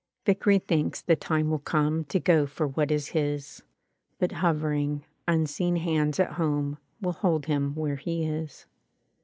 Vickery thinks the time will come To go for what is his; But hovering, unseen hands at home Will hold him where he is.